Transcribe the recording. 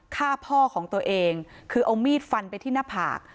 ฆ่าพ่อของตัวเองคือเอามีดฟันไปที่หน้าผาก